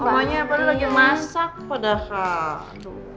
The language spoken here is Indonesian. mamanya apa lagi masak padahal